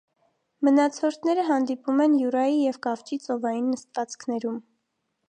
Մնացորդները հանդիպում են յուրայի և կավճի ծովային նստվածքներում։